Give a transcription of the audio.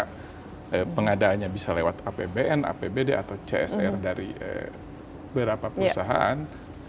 karena pengadaannya bisa lewat apbn apbd atau csr dari beberapa perusahaan